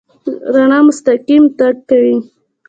رڼا مستقیم تګ کوي.